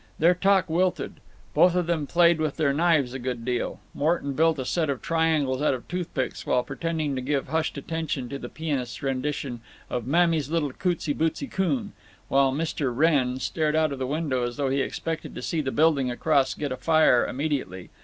Their talk wilted. Both of them played with their knives a good deal. Morton built a set of triangles out of toothpicks while pretending to give hushed attention to the pianist's rendition of "Mammy's Little Cootsie Bootsie Coon," while Mr. Wrenn stared out of the window as though he expected to see the building across get afire immediately.